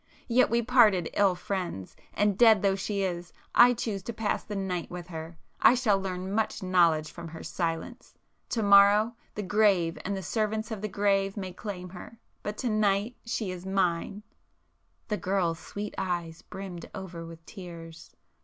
Yet we parted ill friends,—and dead though she is, I choose to pass the night with her,—I shall learn much knowledge from her silence! To morrow the grave and the servants of the grave may claim her, but to night she is mine!" The girl's sweet eyes brimmed over with tears.